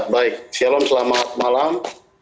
baik shalom selamat malam